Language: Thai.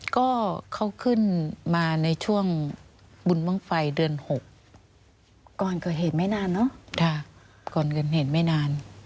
ก็เขาขึ้นมาในช่วงบุญบังไฟเดือน๖ก่อนก็เห็นไม่นานเนาะ